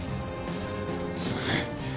すいません。